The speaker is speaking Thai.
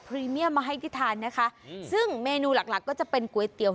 รีเมียมมาให้ที่ทานนะคะอืมซึ่งเมนูหลักหลักก็จะเป็นก๋วยเตี๋ย